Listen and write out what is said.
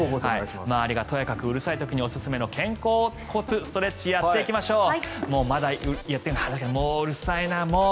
周りがとやかくうるさい時におすすめの肩甲骨ストレッチをやっていきましょう。